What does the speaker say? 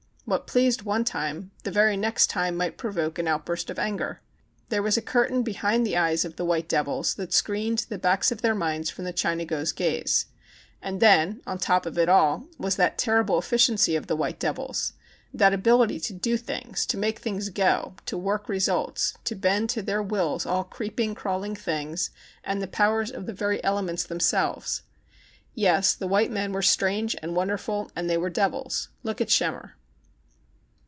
What pleased one time, the very next time might provoke an out burst of anger. There was a curtain behind the eyes of the white devils that screened the backs of their minds from the Chinago's gaze. to to And then, on top of it all, was that terrible effi ciency of the white devils, that ability to do things, to make things po, to work results, to bend to their wills all creeping, crawling things, and the powers of the very elements them selves. Yes, the white men were strange and wonderful, and they were devils. Look at Schemmer.